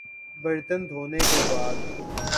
برتن دھونے کے بعد